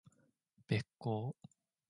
べっ甲